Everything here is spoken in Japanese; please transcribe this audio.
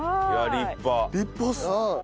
立派です。